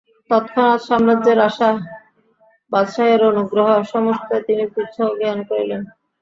তৎক্ষণাৎ সাম্রাজ্যের আশা, বাদশাহের অনুগ্রহ, সমস্ত তিনি তুচ্ছ জ্ঞান করিলেন।